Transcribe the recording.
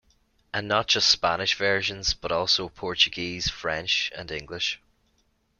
And not just Spanish versions, but also Portuguese, French and English...